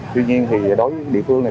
tuy nhiên thì đối với địa phương này